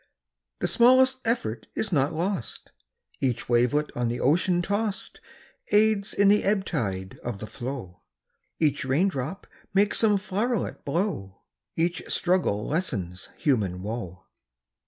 The smallest effort is not lost; Each wavelet on the ocean toss'd Aids in the ebb tide of the flow; Each rain drop makes some flow'ret blow Each struggle lessens human woe.